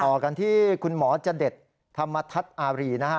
ต่อกันที่คุณหมอจดธรรมทัศน์อารีนะฮะ